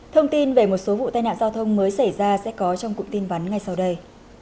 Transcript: thông tin về một số vụ tai nạn giao thông mới xảy ra sẽ có trong cụm tin vắn ngay sau đây